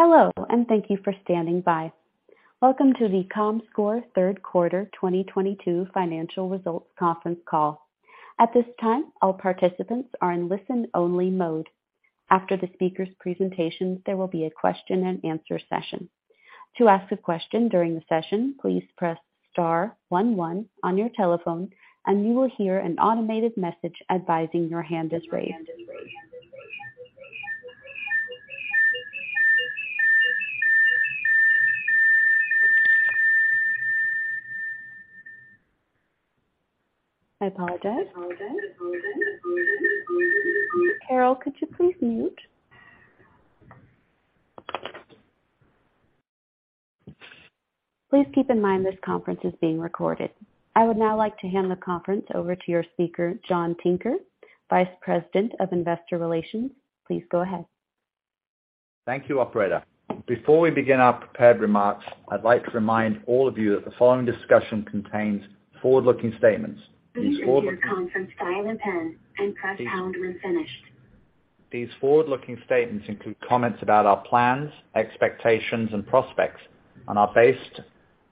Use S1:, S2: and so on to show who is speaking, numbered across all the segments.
S1: Hello, and thank you for standing by. Welcome to the Comscore Third Quarter 2022 Financial Results Conference Call. At this time, all participants are in listen only mode. After the speaker's presentations, there will be a question and answer session. To ask a question during the session, please press star one one on your telephone and you will hear an automated message advising your hand is raised. I apologize. Carol, could you please mute? Please keep in mind this conference is being recorded. I would now like to hand the conference over to your speaker, John Tinker, Vice President of Investor Relations. Please go ahead.
S2: Thank you, operator. Before we begin our prepared remarks, I'd like to remind all of you that the following discussion contains forward-looking statements. These forward-looking
S1: Please unmute your conference dial-in phone and press pound when finished.
S2: These forward-looking statements include comments about our plans, expectations and prospects, and are based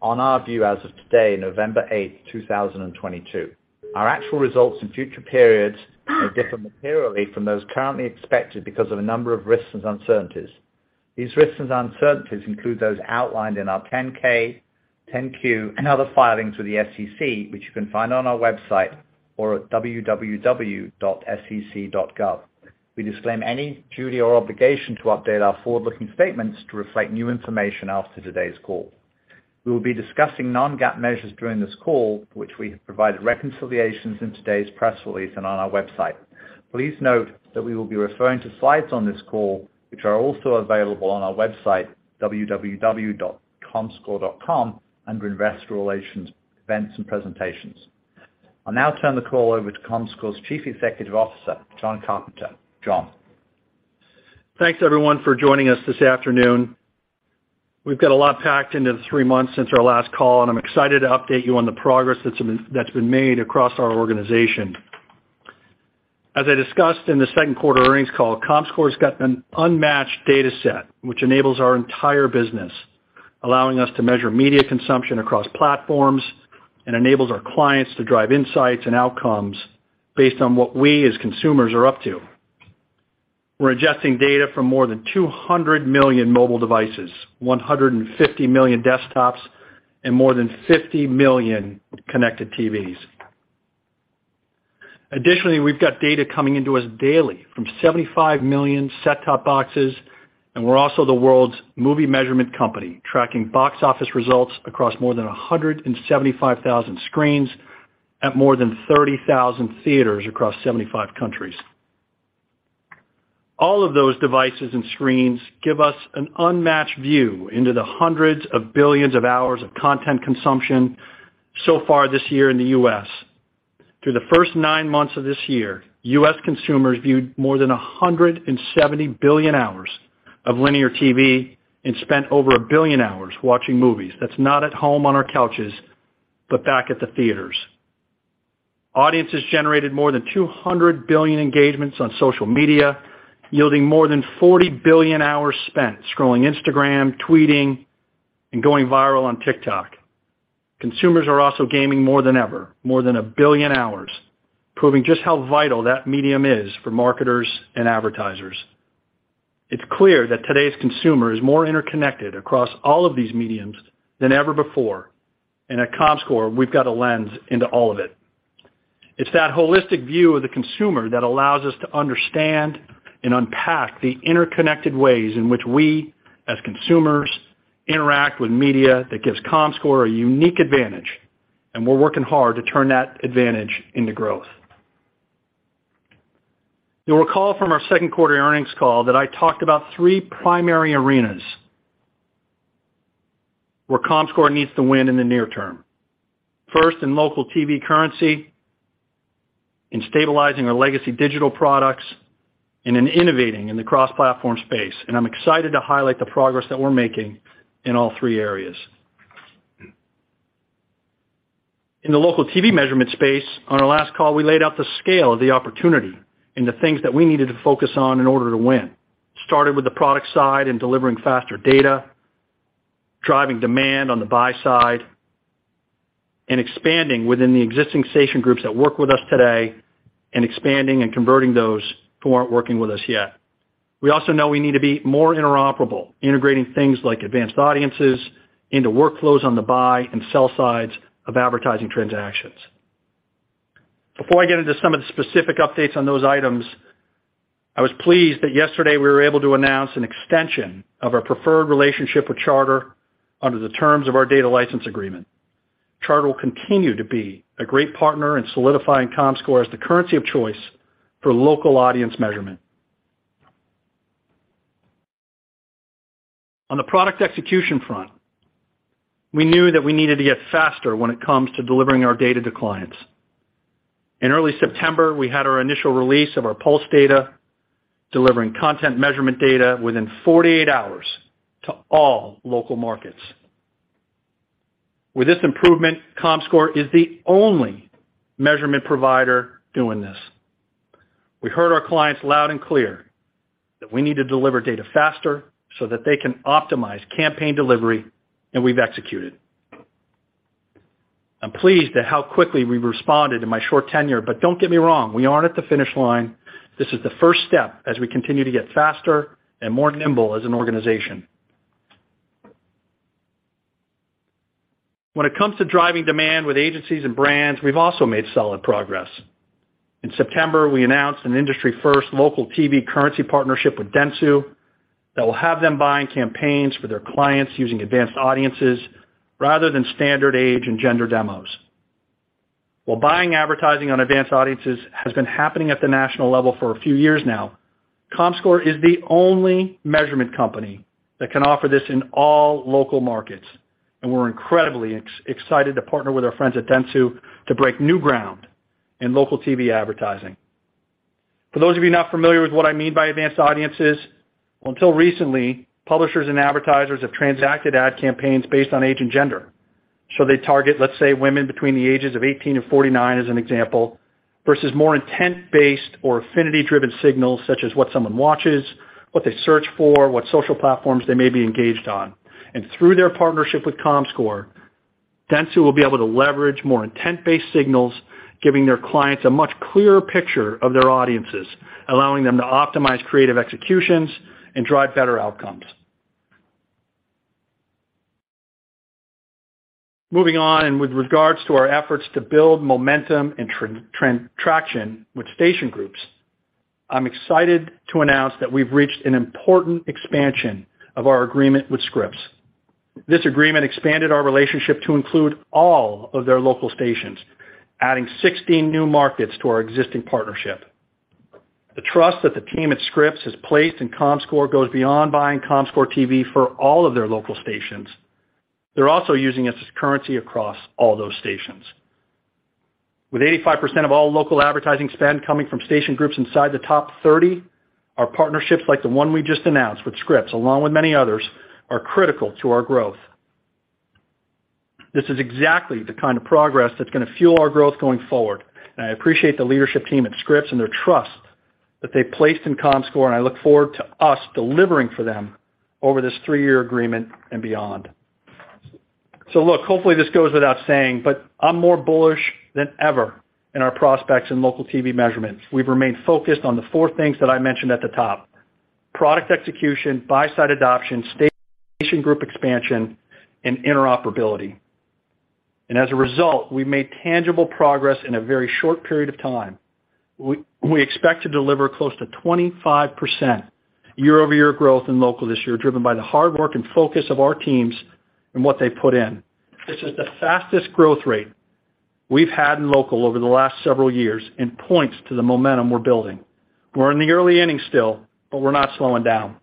S2: on our view as of today, November 8th, 2022. Our actual results in future periods may differ materially from those currently expected because of a number of risks and uncertainties. These risks and uncertainties include those outlined in our 10-K, 10-Q, and other filings with the SEC, which you can find on our website or at www.sec.gov. We disclaim any duty or obligation to update our forward-looking statements to reflect new information after today's call. We will be discussing non-GAAP measures during this call, which we have provided reconciliations in today's press release and on our website. Please note that we will be referring to slides on this call, which are also available on our website, www.comscore.com, under Investor Relations, Events and Presentations. I'll now turn the call over to Comscore's Chief Executive Officer, Jon Carpenter. Jon.
S3: Thanks everyone for joining us this afternoon. We've got a lot packed into the three months since our last call, and I'm excited to update you on the progress that's been made across our organization. As I discussed in the second quarter earnings call, Comscore's got an unmatched data set which enables our entire business, allowing us to measure media consumption across platforms and enables our clients to drive insights and outcomes based on what we as consumers are up to. We're ingesting data from more than 200 million mobile devices, 150 million desktops, and more than 50 million connected TVs. Additionally, we've got data coming into us daily from 75 million set-top boxes, and we're also the world's movie measurement company, tracking box office results across more than 175,000 screens at more than 30,000 theaters across 75 countries. All of those devices and screens give us an unmatched view into the hundreds of billions of hours of content consumption so far this year in the U.S. Through the first nine months of this year, U.S. consumers viewed more than 170 billion hours of linear TV and spent over 1 billion hours watching movies. That's not at home on our couches, but back at the theaters. Audiences generated more than 200 billion engagements on social media, yielding more than 40 billion hours spent scrolling Instagram, tweeting, and going viral on TikTok. Consumers are also gaming more than ever, more than 1 billion hours, proving just how vital that medium is for marketers and advertisers. It's clear that today's consumer is more interconnected across all of these mediums than ever before, and at Comscore we've got a lens into all of it. It's that holistic view of the consumer that allows us to understand and unpack the interconnected ways in which we, as consumers, interact with media that gives Comscore a unique advantage, and we're working hard to turn that advantage into growth. You'll recall from our second quarter earnings call that I talked about three primary arenas where Comscore needs to win in the near term. First, in local TV currency, in stabilizing our legacy digital products, and in innovating in the cross-platform space. I'm excited to highlight the progress that we're making in all three areas. In the local TV measurement space, on our last call, we laid out the scale of the opportunity and the things that we needed to focus on in order to win. Started with the product side and delivering faster data, driving demand on the buy side, and expanding within the existing station groups that work with us today, and expanding and converting those who aren't working with us yet. We also know we need to be more interoperable, integrating things like Advanced Audiences into workflows on the buy and sell sides of advertising transactions. Before I get into some of the specific updates on those items, I was pleased that yesterday we were able to announce an extension of our preferred relationship with Charter under the terms of our data license agreement. Charter will continue to be a great partner in solidifying Comscore as the currency of choice for local audience measurement. On the product execution front, we knew that we needed to get faster when it comes to delivering our data to clients. In early September, we had our initial release of our Pulse data, delivering content measurement data within 48 hours to all local markets. With this improvement, Comscore is the only measurement provider doing this. We heard our clients loud and clear that we need to deliver data faster so that they can optimize campaign delivery, and we've executed. I'm pleased at how quickly we responded in my short tenure, but don't get me wrong, we aren't at the finish line. This is the first step as we continue to get faster and more nimble as an organization. When it comes to driving demand with agencies and brands, we've also made solid progress. In September, we announced an industry-first local TV currency partnership with dentsu that will have them buying campaigns for their clients using Advanced Audiences rather than standard age and gender demos. While buying advertising on Advanced Audiences has been happening at the national level for a few years now, Comscore is the only measurement company that can offer this in all local markets, and we're incredibly excited to partner with our friends at dentsu to break new ground in local TV advertising. For those of you not familiar with what I mean by Advanced Audiences, well, until recently, publishers and advertisers have transacted ad campaigns based on age and gender. They target, let's say, women between the ages of 18 and 49 as an example, versus more intent-based or affinity-driven signals, such as what someone watches, what they search for, what social platforms they may be engaged on. Through their partnership with Comscore, Dentsu will be able to leverage more intent-based signals, giving their clients a much clearer picture of their audiences, allowing them to optimize creative executions and drive better outcomes. Moving on, and with regards to our efforts to build momentum and traction with station groups, I'm excited to announce that we've reached an important expansion of our agreement with Scripps. This agreement expanded our relationship to include all of their local stations, adding 16 new markets to our existing partnership. The trust that the team at Scripps has placed in Comscore goes beyond buying Comscore TV for all of their local stations. They're also using us as currency across all those stations. With 85% of all local advertising spend coming from station groups inside the top 30, our partnerships like the one we just announced with Scripps, along with many others, are critical to our growth. This is exactly the kind of progress that's gonna fuel our growth going forward, and I appreciate the leadership team at Scripps and their trust that they've placed in Comscore, and I look forward to us delivering for them over this three-year agreement and beyond. Look, hopefully, this goes without saying, but I'm more bullish than ever in our prospects in local TV measurements. We've remained focused on the four things that I mentioned at the top: product execution, buy-side adoption, station group expansion, and interoperability. As a result, we've made tangible progress in a very short period of time. We expect to deliver close to 25% year-over-year growth in local this year, driven by the hard work and focus of our teams and what they put in. This is the fastest growth rate we've had in local over the last several years and points to the momentum we're building. We're in the early innings still, but we're not slowing down.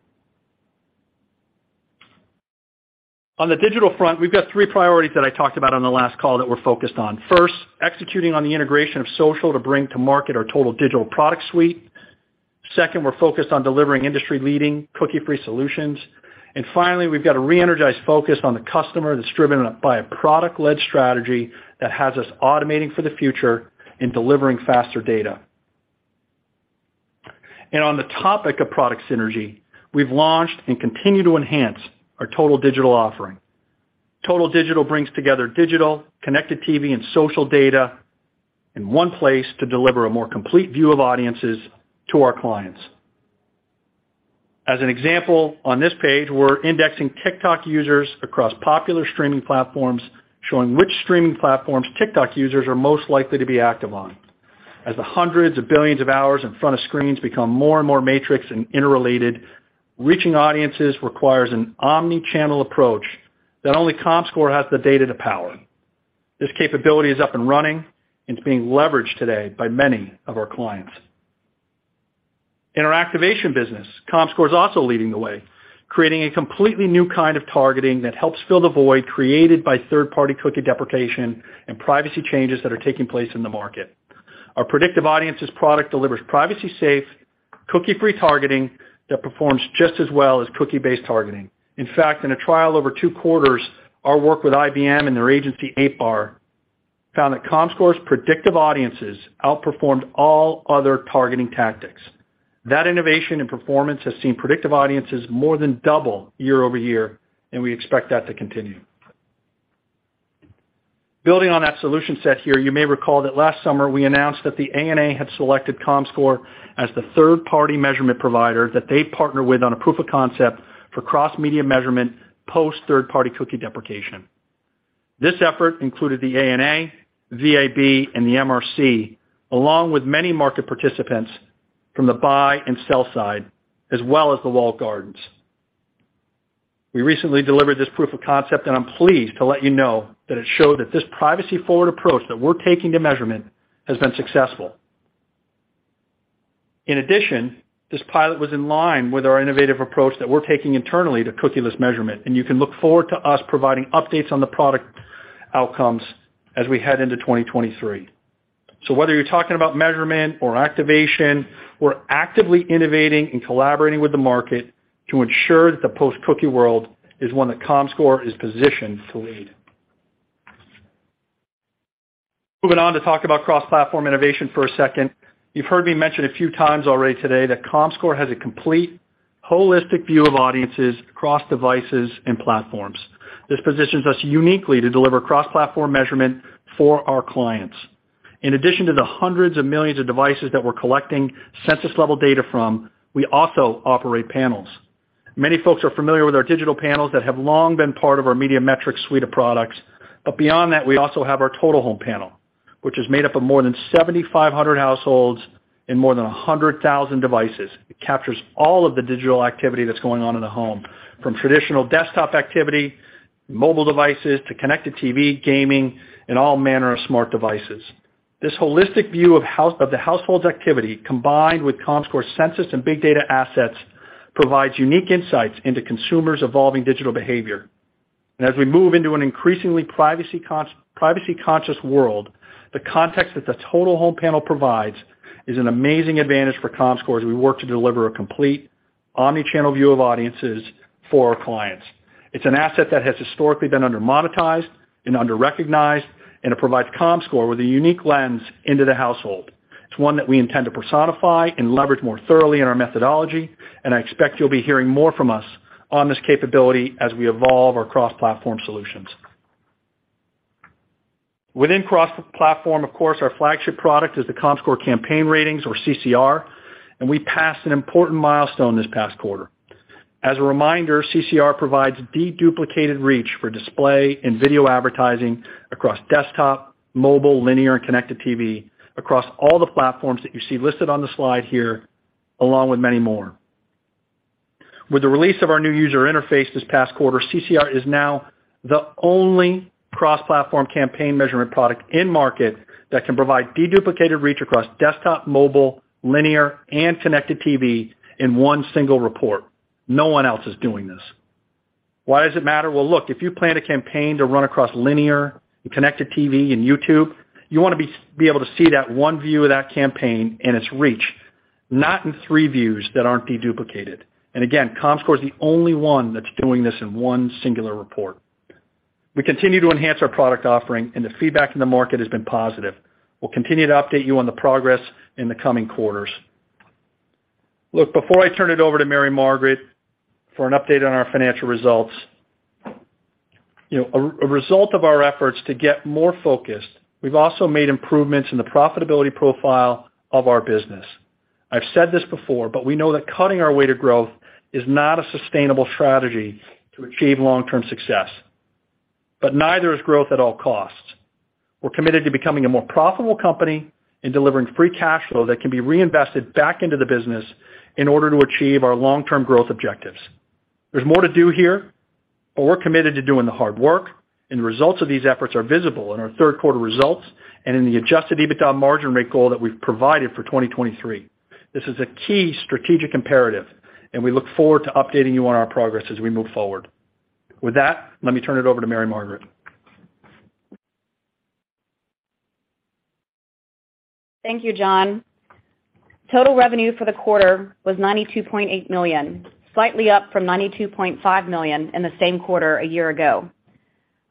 S3: On the digital front, we've got three priorities that I talked about on the last call that we're focused on. First, executing on the integration of social to bring to market our Total Digital product suite. Second, we're focused on delivering industry-leading cookie-free solutions. Finally, we've got a re-energized focus on the customer that's driven up by a product-led strategy that has us automating for the future and delivering faster data. On the topic of product synergy, we've launched and continue to enhance our Total Digital offering. Total Digital brings together digital, connected TV, and social data in one place to deliver a more complete view of audiences to our clients. As an example, on this page, we're indexing TikTok users across popular streaming platforms, showing which streaming platforms TikTok users are most likely to be active on. As the hundreds of billions of hours in front of screens become more and more matrixed and interrelated, reaching audiences requires an omni-channel approach that only Comscore has the data to power. This capability is up and running and it's being leveraged today by many of our clients. In our activation business, Comscore is also leading the way, creating a completely new kind of targeting that helps fill the void created by third-party cookie deprecation and privacy changes that are taking place in the market. Our Predictive Audiences product delivers privacy-safe, cookie-free targeting that performs just as well as cookie-based targeting. In fact, in a trial over two quarters, our work with IBM and their agency, EightBar, found that Comscore's Predictive Audiences outperformed all other targeting tactics. That innovation and performance has seen Predictive Audiences more than double year-over-year, and we expect that to continue. Building on that solution set here, you may recall that last summer, we announced that the ANA had selected Comscore as the third-party measurement provider that they partner with on a proof of concept for cross-media measurement post third-party cookie deprecation. This effort included the ANA, the VAB, and the MRC, along with many market participants from the buy and sell side, as well as the walled gardens. We recently delivered this proof of concept, and I'm pleased to let you know that it showed that this privacy-forward approach that we're taking to measurement has been successful. In addition, this pilot was in line with our innovative approach that we're taking internally to cookieless measurement, and you can look forward to us providing updates on the product outcomes as we head into 2023. Whether you're talking about measurement or activation, we're actively innovating and collaborating with the market to ensure that the post-cookie world is one that Comscore is positioned to lead. Moving on to talk about cross-platform innovation for a second. You've heard me mention a few times already today that Comscore has a complete holistic view of audiences across devices and platforms. This positions us uniquely to deliver cross-platform measurement for our clients. In addition to the hundreds of millions of devices that we're collecting census-level data from, we also operate panels. Many folks are familiar with our digital panels that have long been part of our Media Metrix suite of products. Beyond that, we also have our Total Home Panel, which is made up of more than 7,500 households and more than 100,000 devices. It captures all of the digital activity that's going on in the home, from traditional desktop activity, mobile devices, to connected TV, gaming, and all manner of smart devices. This holistic view of the household's activity, combined with Comscore census and big data assets, provides unique insights into consumers' evolving digital behavior. As we move into an increasingly privacy-conscious world, the context that the Total Home Panel provides is an amazing advantage for Comscore as we work to deliver a complete omni-channel view of audiences for our clients. It's an asset that has historically been under-monetized and under-recognized, and it provides Comscore with a unique lens into the household. It's one that we intend to personify and leverage more thoroughly in our methodology, and I expect you'll be hearing more from us on this capability as we evolve our cross-platform solutions. Within cross-platform, of course, our flagship product is the Comscore Campaign Ratings or CCR, and we passed an important milestone this past quarter. As a reminder, CCR provides deduplicated reach for display and video advertising across desktop, mobile, linear and connected TV across all the platforms that you see listed on the slide here, along with many more. With the release of our new user interface this past quarter, CCR is now the only cross-platform campaign measurement product in market that can provide deduplicated reach across desktop, mobile, linear and connected TV in one single report. No one else is doing this. Why does it matter? Well, look, if you plan a campaign to run across linear and connected TV and YouTube, you wanna be able to see that one view of that campaign and its reach, not in three views that aren't deduplicated. Again, Comscore is the only one that's doing this in one singular report. We continue to enhance our product offering, and the feedback in the market has been positive. We'll continue to update you on the progress in the coming quarters. Look, before I turn it over to Mary Margaret for an update on our financial results, you know, a result of our efforts to get more focused, we've also made improvements in the profitability profile of our business. I've said this before, but we know that cutting our way to growth is not a sustainable strategy to achieve long-term success, but neither is growth at all costs. We're committed to becoming a more profitable company and delivering free cash flow that can be reinvested back into the business in order to achieve our long-term growth objectives. There's more to do here, but we're committed to doing the hard work, and the results of these efforts are visible in our third quarter results and in the Adjusted EBITDA margin rate goal that we've provided for 2023. This is a key strategic imperative, and we look forward to updating you on our progress as we move forward. With that, let me turn it over to Mary Margaret.
S4: Thank you, Jon. Total revenue for the quarter was $92.8 million, slightly up from $92.5 million in the same quarter a year ago.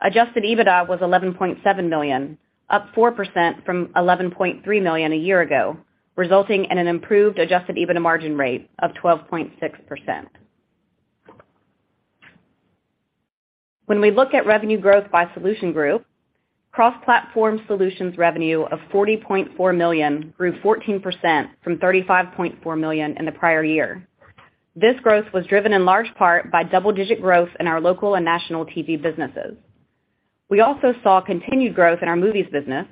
S4: Adjusted EBITDA was $11.7 million, up 4% from $11.3 million a year ago, resulting in an improved Adjusted EBITDA margin rate of 12.6%. When we look at revenue growth by solution group, Cross Platform Solutions revenue of $40.4 million grew 14% from $35.4 million in the prior year. This growth was driven in large part by double-digit growth in our local and national TV businesses. We also saw continued growth in our movies business,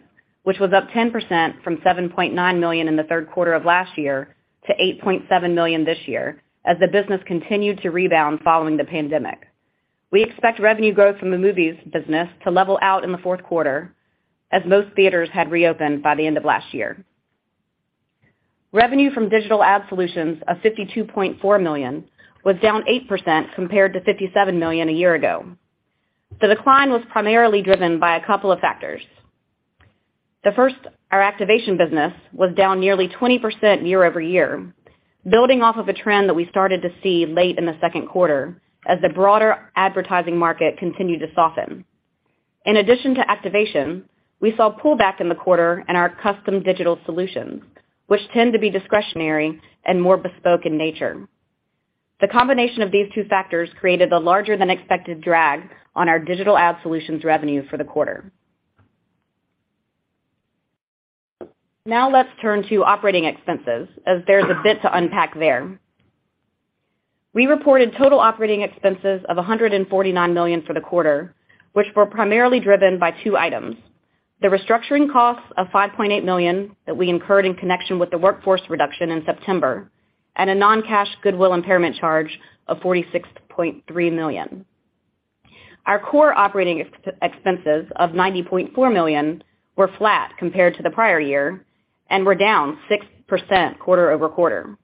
S4: which was up 10% from $7.9 million in the third quarter of last year to $8.7 million this year as the business continued to rebound following the pandemic. We expect revenue growth from the movies business to level out in the fourth quarter as most theaters had reopened by the end of last year. Revenue from Digital Ad Solutions of $52.4 million was down 8% compared to $57 million a year ago. The decline was primarily driven by a couple of factors. The first, our activation business, was down nearly 20% year-over-year, building off of a trend that we started to see late in the second quarter as the broader advertising market continued to soften. In addition to activation, we saw pullback in the quarter in our custom digital solutions, which tend to be discretionary and more bespoke in nature. The combination of these two factors created a larger than expected drag on our Digital Ad Solutions revenue for the quarter. Now let's turn to operating expenses as there's a bit to unpack there. We reported total operating expenses of $149 million for the quarter, which were primarily driven by two items, the restructuring costs of $5.8 million that we incurred in connection with the workforce reduction in September, and a non-cash goodwill impairment charge of $46.3 million. Our core operating expenses of $90.4 million were flat compared to the prior year and were down 6% quarter-over-quarter.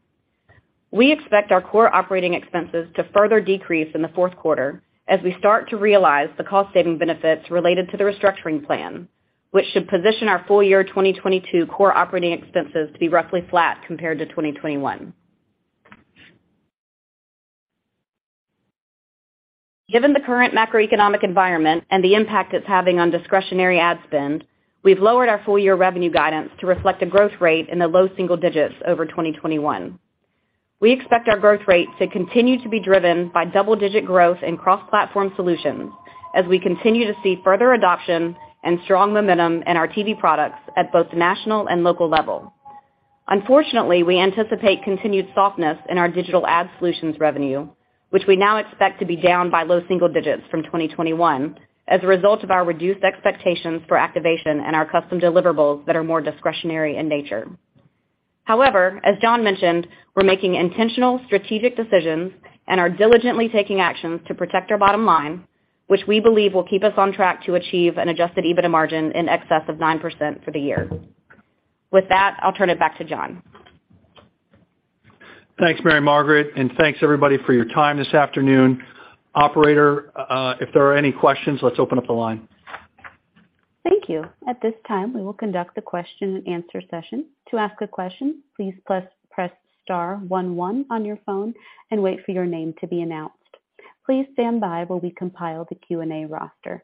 S4: We expect our core operating expenses to further decrease in the fourth quarter as we start to realize the cost saving benefits related to the restructuring plan, which should position our full year 2022 core operating expenses to be roughly flat compared to 2021. Given the current macroeconomic environment and the impact it's having on discretionary ad spend, we've lowered our full year revenue guidance to reflect a growth rate in the low single digits over 2021. We expect our growth rate to continue to be driven by double-digit growth in Cross Platform Solutions as we continue to see further adoption and strong momentum in our TV products at both national and local level. Unfortunately, we anticipate continued softness in our Digital Ad Solutions revenue, which we now expect to be down by low single digits from 2021 as a result of our reduced expectations for activation and our custom deliverables that are more discretionary in nature. However, as Jonmentioned, we're making intentional strategic decisions and are diligently taking actions to protect our bottom line, which we believe will keep us on track to achieve an Adjusted EBITDA margin in excess of 9% for the year. With that, I'll turn it back to Jon.
S3: Thanks, Mary Margaret, and thanks everybody for your time this afternoon. Operator, if there are any questions, let's open up the line.
S1: Thank you. At this time, we will conduct a question and answer session. To ask a question, please press star one one on your phone and wait for your name to be announced. Please stand by while we compile the Q&A roster.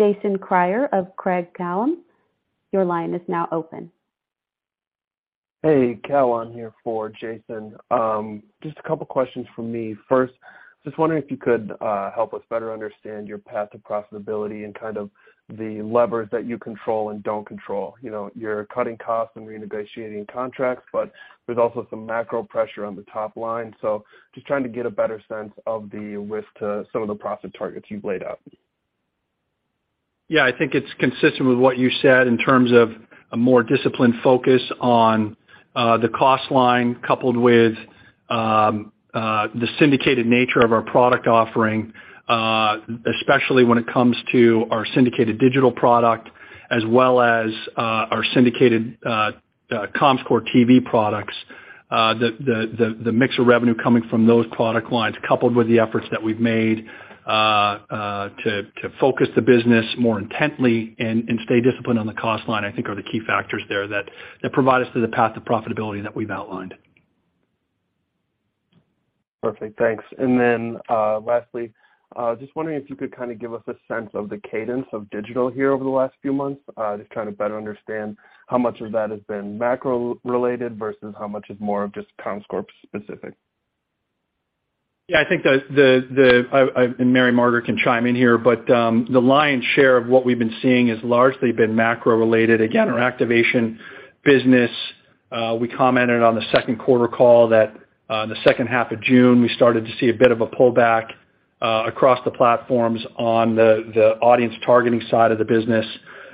S1: Jason Kreyer of Craig-Hallum, your line is now open.
S5: Hey, Cal on here for Jason. Just a couple questions from me. First, just wondering if you could help us better understand your path to profitability and kind of the levers that you control and don't control. You know, you're cutting costs and renegotiating contracts, but there's also some macro pressure on the top line. Just trying to get a better sense of the risk to some of the profit targets you've laid out.
S3: Yeah, I think it's consistent with what you said in terms of a more disciplined focus on the cost line coupled with the syndicated nature of our product offering, especially when it comes to our syndicated digital product as well as our syndicated Comscore TV products. The mix of revenue coming from those product lines, coupled with the efforts that we've made to focus the business more intently and stay disciplined on the cost line, I think are the key factors there that provide us the path to profitability that we've outlined.
S5: Perfect, thanks. Lastly, just wondering if you could kinda give us a sense of the cadence of digital here over the last few months. Just trying to better understand how much of that has been macro related versus how much is more of just Comscore specific.
S3: Yeah, I think and Mary Margaret can chime in here, but the lion's share of what we've been seeing has largely been macro related. Again, our activation business, we commented on the second quarter call that the second half of June, we started to see a bit of a pullback across the platforms on the audience targeting side of the business.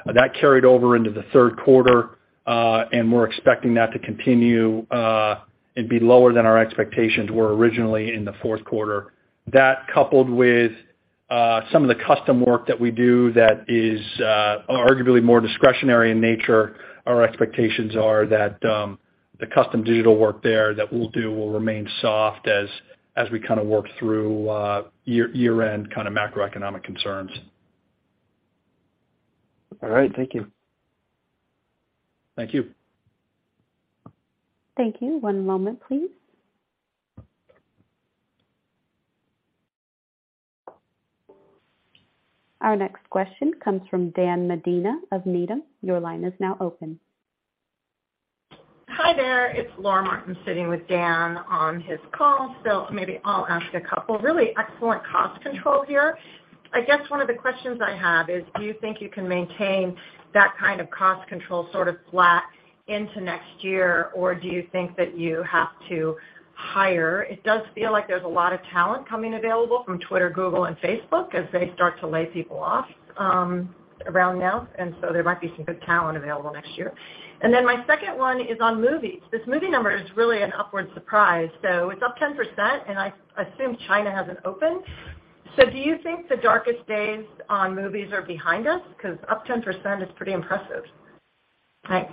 S3: That carried over into the third quarter, and we're expecting that to continue and be lower than our expectations were originally in the fourth quarter. That coupled with some of the custom work that we do that is arguably more discretionary in nature. Our expectations are that the custom digital work there that we'll do will remain soft as we kinda work through year-end kinda macroeconomic concerns.
S5: All right. Thank you.
S3: Thank you.
S1: Thank you. One moment, please. Our next question comes from Dan Medina of Needham. Your line is now open.
S6: Hi there. It's Laura Martin sitting with Dan on his call, so maybe I'll ask a couple. Really excellent cost control here. I guess one of the questions I have is, do you think you can maintain that kind of cost control sort of flat into next year? Or do you think that you have to hire? It does feel like there's a lot of talent coming available from Twitter, Google and Facebook as they start to lay people off, around now. There might be some good talent available next year. My second one is on movies. This movie number is really an upward surprise. It's up 10%, and I assume China hasn't opened. Do you think the darkest days on movies are behind us? 'Cause up 10% is pretty impressive. Thanks.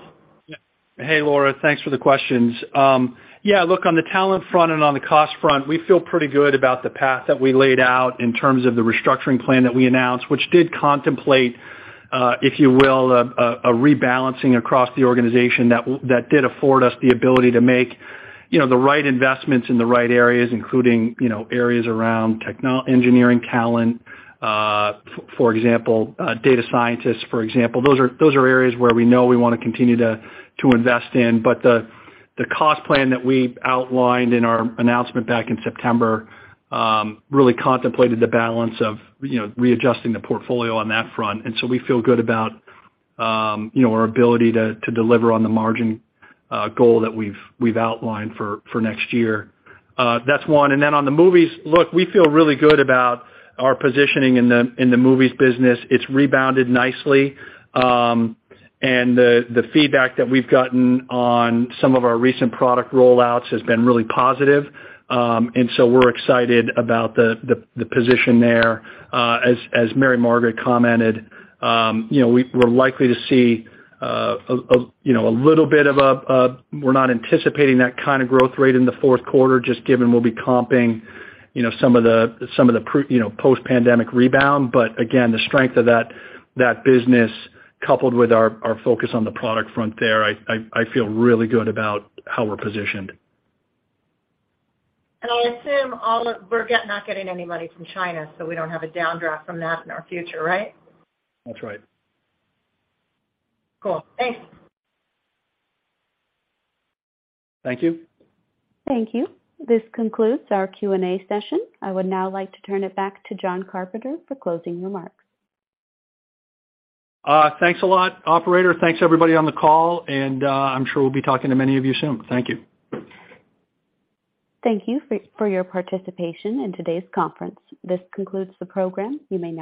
S3: Hey, Laura, thanks for the questions. Yeah, look, on the talent front and on the cost front, we feel pretty good about the path that we laid out in terms of the restructuring plan that we announced, which did contemplate, if you will, a rebalancing across the organization that did afford us the ability to make, you know, the right investments in the right areas, including, you know, areas around engineering talent, for example, data scientists, for example. Those are areas where we know we wanna continue to invest in. But the cost plan that we outlined in our announcement back in September really contemplated the balance of, you know, readjusting the portfolio on that front. We feel good about, you know, our ability to deliver on the margin goal that we've outlined for next year. That's one. On the movies, look, we feel really good about our positioning in the movies business. It's rebounded nicely. The feedback that we've gotten on some of our recent product rollouts has been really positive. We're excited about the position there. As Mary Margaret commented, you know, we're not anticipating that kinda growth rate in the fourth quarter, just given we'll be comping, you know, some of the pre, you know, post-pandemic rebound. Again, the strength of that business coupled with our focus on the product front there, I feel really good about how we're positioned.
S6: We're not getting any money from China, so we don't have a downdraft from that in our future, right?
S3: That's right.
S6: Cool. Thanks.
S3: Thank you.
S1: Thank you. This concludes our Q&A session. I would now like to turn it back to Jon Carpenter for closing remarks.
S3: Thanks a lot, operator. Thanks everybody on the call, and I'm sure we'll be talking to many of you soon. Thank you.
S1: Thank you for your participation in today's conference. This concludes the program. You may now disconnect.